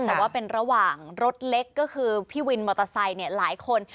แต่ว่าเป็นระหว่างรถเล็กก็คือพี่วินมอเตอร์ไซค์หลายคน